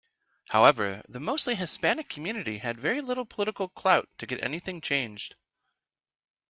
However, the mostly Hispanic community had very little political clout to get anything changed.